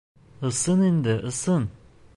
Ысын инде, ысын.